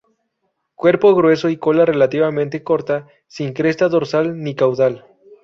Cuerpo grueso y cola relativamente corta, sin cresta dorsal ni caudal.